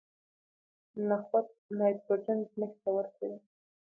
نخود نایتروجن ځمکې ته ورکوي.